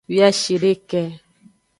Wiashideke.